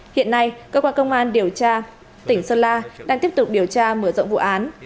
hiện nay cơ quan công an điều tra tỉnh sơn la đang tiếp tục điều tra mở rộng vụ án